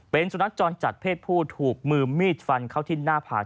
เป็นสุนัขจรจัดเพศผู้ถูกมือมีดฟันเข้าที่หน้าผาก